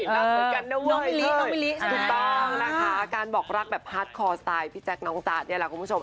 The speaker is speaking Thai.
รักเหมือนกันนะเว้ยเห้ยถูกต้องนะคะการบอกรักแบบพาร์ทคอร์สไตล์พี่แจ๊กน้องจ้าเนี่ยแหละคุณผู้ชม